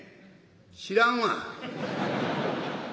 「知らんわ」。